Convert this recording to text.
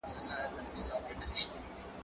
زه بايد مرسته وکړم!.